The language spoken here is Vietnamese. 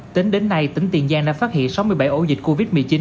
tính đến nay tỉnh tiền giang đã phát hiện sáu mươi bảy ổ dịch covid một mươi chín